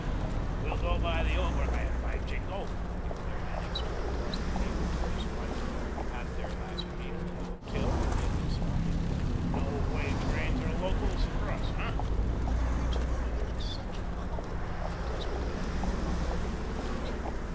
"We'll go by the Overland, by Jingo," declared Annixter across the table to his wife, at their last meal in the hotel where they had been stopping; "no way trains or locals for us, hey?" "But we reach Bonneville at SUCH an hour," protested Hilma. "Five in the morning!"